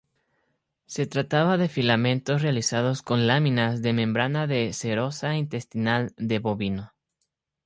Se trataba de filamentos realizados con láminas de membrana de serosa intestinal de bovino.